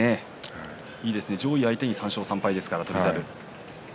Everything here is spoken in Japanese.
いいですね、上位相手に３勝３敗の翔猿です。